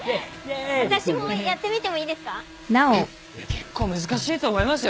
結構難しいと思いますよ。